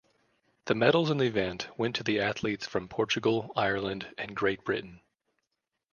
The medals in the event went to athletes from Portugal, Ireland, and Great Britain.